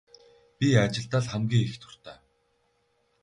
Би ажилдаа л хамгийн их дуртай.